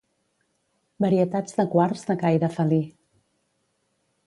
Varietats de quars de caire felí.